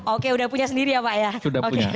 oke sudah punya sendiri ya pak ya sudah punya